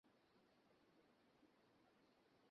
আমরা দু জন এই পৃথিবীতেই বাস করি।